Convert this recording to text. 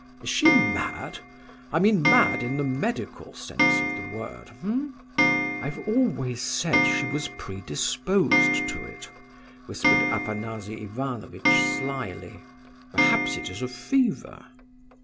"Is she mad? I mean mad in the medical sense of the word .... eh?" "I've always said she was predisposed to it," whispered Afanasy Ivanovitch slyly. "Perhaps it is a fever!"